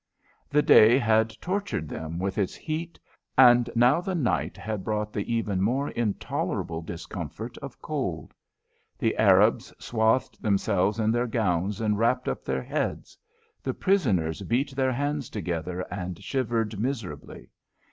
The day had tortured them with its heat, and now the night had brought the even more intolerable discomfort of cold. The Arabs swathed themselves in their gowns and wrapped up their heads. The prisoners beat their hands together and shivered miserably.